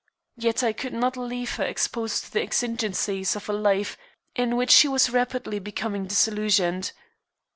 Yet I could not leave her exposed to the exigencies of a life in which she was rapidly becoming disillusioned.